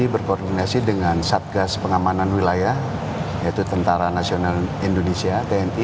berkoordinasi dengan satgas pengamanan wilayah yaitu tentara nasional indonesia tni